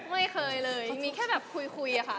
ไม่เคยเลยมีแค่แบบคุยอะค่ะ